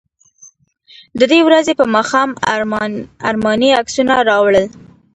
د دې ورځې په ماښام ارماني عکسونه راوړل.